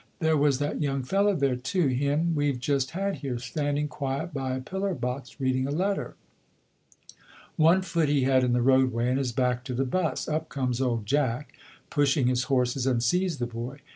There was that young feller there too him we've just had here standing quiet by a pillar box, reading a letter. One foot he had in the roadway, and his back to the 'bus. Up comes old Jack, pushing his horses, and sees the boy.